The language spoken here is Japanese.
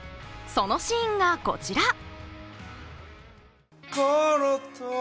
そのシーンがこちら。